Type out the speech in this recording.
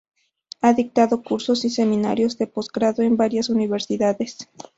Ha dictado cursos y seminarios de posgrado en varias universidades.